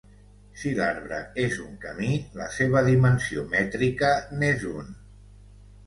Si l'arbre és un camí, la seva dimensió mètrica n'és un.